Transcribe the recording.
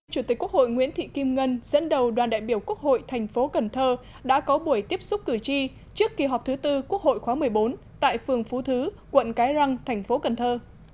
chủ tịch quốc hội nguyễn thị kim ngân dẫn đầu đoàn đại biểu quốc hội thành phố cần thơ đã có buổi tiếp xúc cử tri trước kỳ họp thứ tư quốc hội khóa một mươi bốn tại phường phú thứ quận cái răng thành phố cần thơ